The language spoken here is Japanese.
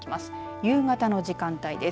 夕方の時間帯です。